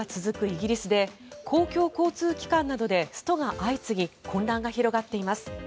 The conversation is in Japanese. イギリスで公共交通機関などでストが相次ぎ混乱が広がっています。